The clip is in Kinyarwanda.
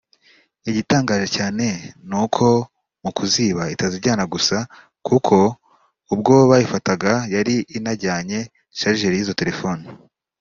Igitangaje cyane ni uko mukuziba itazijyana gusa kuko ubwo bayifataga yari inajyanye ‘charger’ y’izo telephone